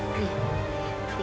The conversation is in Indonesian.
gampang banget sih